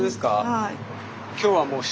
はい。